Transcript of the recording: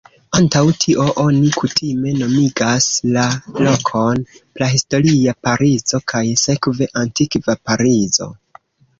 Antaŭ tio, oni kutime nomigas la lokon "Prahistoria Parizo", kaj sekve "Antikva Parizo".